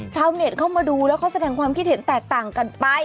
ชาวเน็ตเข้ามาดูแล้วเขาแสดงความคิดเห็นแตกต่างกันไป